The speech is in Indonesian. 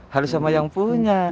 harus sama yang punya